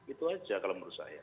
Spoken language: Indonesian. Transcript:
itu aja kalau menurut saya